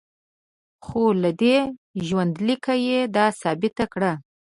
خو له دې ژوندلیکه یې دا ثابته کړه.